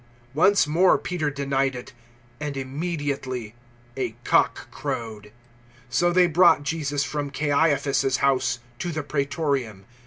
018:027 Once more Peter denied it, and immediately a cock crowed. 018:028 So they brought Jesus from Caiaphas's house to the Praetorium.